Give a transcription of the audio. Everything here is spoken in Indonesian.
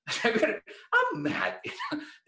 saya pikir saya marah